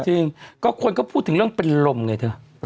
จริงก็คนก็พูดถึงเรื่องเป็นลมไงเธอ